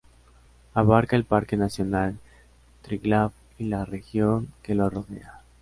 Abarca el parque nacional Triglav y la región que lo rodea.